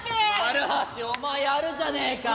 丸橋お前やるじゃねえか！